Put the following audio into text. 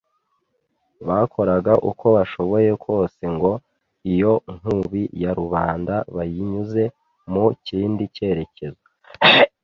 bakoraga uko bashoboye kose ngo iyo nkubi ya rubanda bayinyuze mu kindi cyerekezo